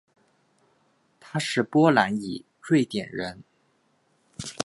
他是波兰裔瑞典人。